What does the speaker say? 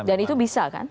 dan itu bisa kan